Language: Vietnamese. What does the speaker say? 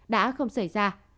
đã không xảy ra